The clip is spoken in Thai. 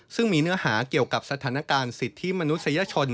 ซึ่งมีเนื้อหาเกี่ยวกับสถานการณ์สิทธิมนุษยชน